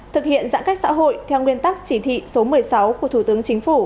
thực hiện giãn cách xã hội theo nguyên tắc chỉ thị số một mươi sáu của thủ tướng chính phủ